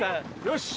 よし！